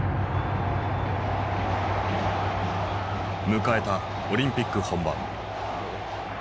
迎えたオリンピック本番。